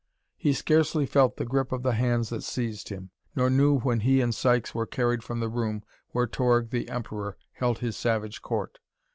He scarcely felt the grip of the hands that seized him, nor knew when he and Sykes were carried from the room where Torg, the Emperor, held his savage court.